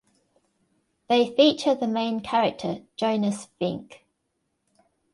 They feature the main character Jonas Fink.